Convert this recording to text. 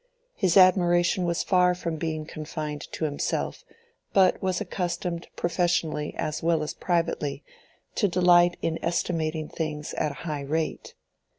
His admiration was far from being confined to himself, but was accustomed professionally as well as privately to delight in estimating things at a high rate.